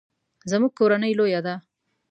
زموږ کورنۍ لویه ده